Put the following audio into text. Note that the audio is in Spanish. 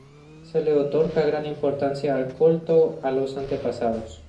Se le otorga gran importancia al culto a los antepasados.